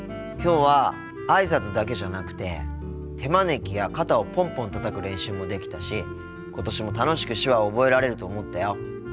きょうはあいさつだけじゃなくて手招きや肩をポンポンたたく練習もできたし今年も楽しく手話を覚えられると思ったよ。